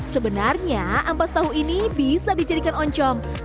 sebenarnya ampas tahu ini bisa dijadikan pakan ternak